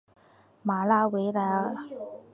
马拉维莱尔。